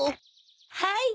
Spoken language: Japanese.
はい。